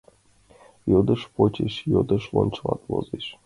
Йодыш почеш йодыш лончылалт возеш.